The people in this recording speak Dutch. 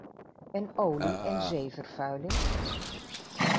En olie- en zeevervuiling?